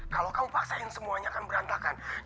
kalau kamu paksain semuanya kan berantakan